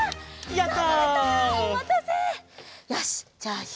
やった！